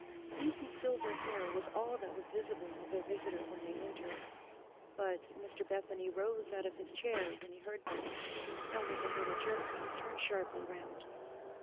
Fleecy silver hair was all that was visible of their visitor when they entered. But Mr Bethany rose out of his chair when he heard them, and with a little jerk, turned sharply round.